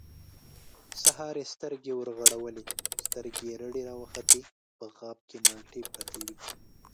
سهار يې سترګې ورغړولې، سترګې يې رډې راوختې، په غاب کې مالټې پرتې وې.